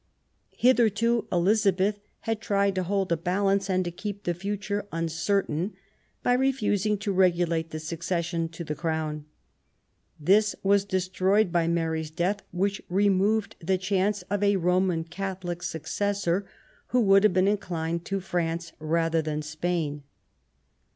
Hitherto Elizabeth had tried to hold a balance, and to keep the future uncertain by refusing to regulate the succession to the Crown. This was destroyed by Mary's death, which removed the chance of a Roman Catholic successor, who wbuld have been inclined to France rather than Spain.